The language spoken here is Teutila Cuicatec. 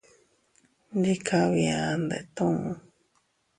Ndi kabia ndetuu.